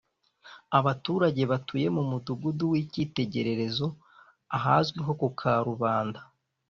Abaturage batuye mu mudugudu w’ikitegerezo ahazwi nko ku Karubanda